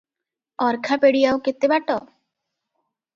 ଅର୍ଖାପେଡି ଆଉ କେତେ ବାଟ?